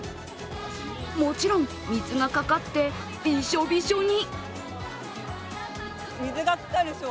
もちろん水がかかってびしょびしょに。